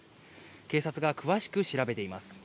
警察が詳しく調べています。